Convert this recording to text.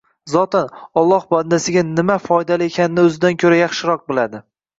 Zotan, Alloh bandasiga nima foydali ekanini o‘zidan ko‘ra yaxshiroq biladi.